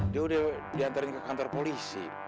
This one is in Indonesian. dia udah diantarin ke kantor polisi